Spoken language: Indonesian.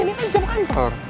ini kan jam kantor